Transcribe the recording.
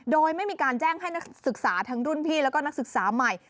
โดยไม่มีการแจ้งให้นักศึกษาทั้งรุ่นพี่แล้วก็นักศึกษาใหม่